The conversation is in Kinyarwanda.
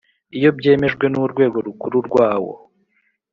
Iyo byemejwe n urwego rukuru rwawo